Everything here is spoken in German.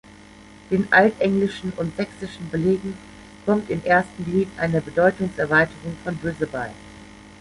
Den altenglischen- und sächsischen Belegen kommt im ersten Glied eine Bedeutungserweiterung von „böse“ bei.